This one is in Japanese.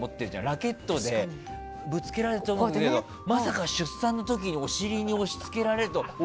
ラケットでぶつけられると思ってたのにまさか出産の時にお尻に押し付けられるなんて。